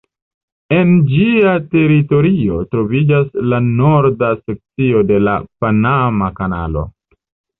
En ĝia teritorio troviĝas la norda sekcio de la Panama kanalo.